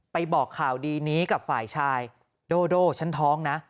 บอกข่าวดีนี้กับฝ่ายชายโดโดฉันท้องนะ